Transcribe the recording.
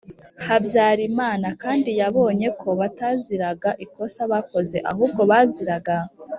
Habyarimana kandi yabonye ko bataziraga ikosa bakoze ahubwo baziraga